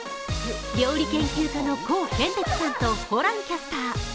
料理研究家のコウケンテツさんとホランキャスター。